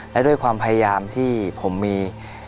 และด้วยความพยายามที่ผมมี